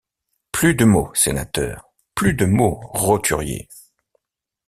Plus de mot sénateur! plus de mot roturier !